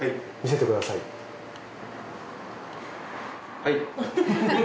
はい。